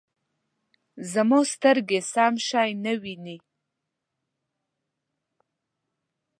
زما سترګې سم شی نه وینې